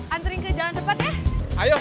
antering ke jalan sepat ya